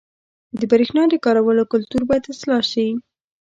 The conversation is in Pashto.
• د برېښنا د کارولو کلتور باید اصلاح شي.